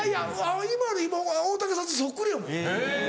今大竹さんとそっくりやもん。